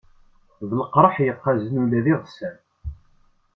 D lqerḥ yeqqazen ula d iɣsan.